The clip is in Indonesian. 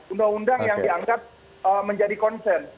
undang undang yang dianggap menjadi concern